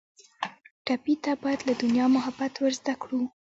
ټپي ته باید له دنیا محبت ور زده کړو.